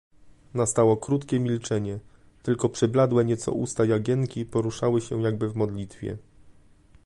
"Nastało krótkie milczenie, tylko przybladłe nieco usta Jagienki poruszały się jakby w modlitwie."